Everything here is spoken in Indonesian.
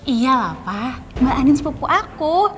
iyalah pak mbak andin sepupu aku